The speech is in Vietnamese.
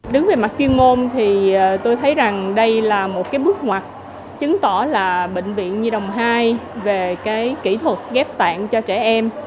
đứng về mặt chuyên môn thì tôi thấy rằng đây là một cái bước ngoặt chứng tỏ là bệnh viện nhi đồng hai về kỹ thuật ghép tạng cho trẻ em